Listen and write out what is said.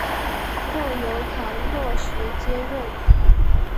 后由唐若时接任。